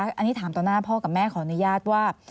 อันนี้ถามต่อหน้าพ่อกับแม่ขออนุญาตว่า